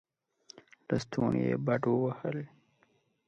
لستوڼې يې بډ ووهل.